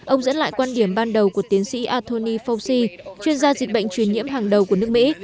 ông dẫn lại quan điểm ban đầu của tiến sĩ anthony fauci chuyên gia dịch bệnh truyền nhiễm hàng đầu của nước mỹ